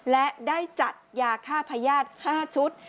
และได้จัดยาฆ่าพญาติ๕ชุด